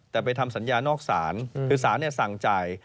แต่ไปทำสัญญานอกศาลคือสารสั่งจ่าย